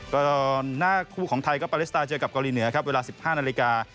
ก็หน้าคู่ของไทยก็ปาเลสไตเจอกับเกาหลีเหนือครับเวลา๑๕นาฬิกา